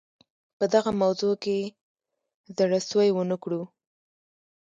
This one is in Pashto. په دغه موضوع کې زړه سوی ونه کړو.